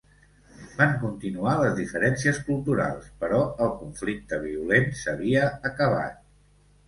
Van continuar les diferències culturals, però el conflicte violent s'havia acabat.